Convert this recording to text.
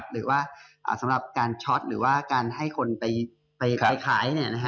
หรือว่าสำหรับการช็อตหรือว่าการให้คนไปขาย